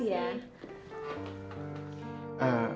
terima kasih ya